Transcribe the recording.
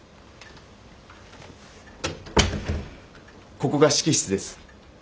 ここが指揮室です。